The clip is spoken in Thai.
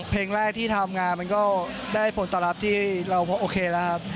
เพลงแรกที่ทำงานมันก็ได้ผลตอบรับที่เราโอเคแล้วครับ